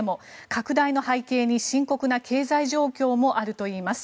拡大の背景に深刻な経済状況もあるといいます。